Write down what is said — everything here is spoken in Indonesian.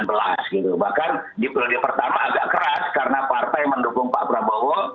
bahkan di periode pertama agak keras karena partai mendukung pak prabowo